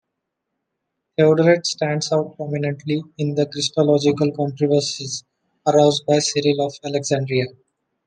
Theodoret stands out prominently in the christological controversies aroused by Cyril of Alexandria.